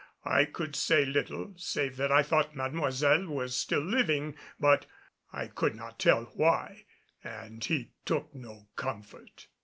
I could say little save that I thought Mademoiselle was still living; but I could not tell why, and he took no comfort.